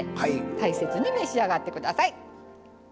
大切に召し上がって下さい。